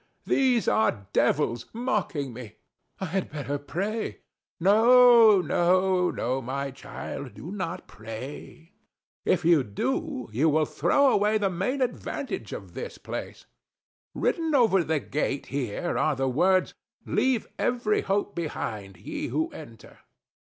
These are devils, mocking me. I had better pray. THE STATUE. [consoling her] No, no, no, my child: do not pray. If you do, you will throw away the main advantage of this place. Written over the gate here are the words "Leave every hope behind, ye who enter."